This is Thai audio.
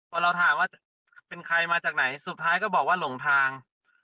พอเราถามว่าเป็นใครมาจากไหนสุดท้ายก็บอกว่าหลงทาง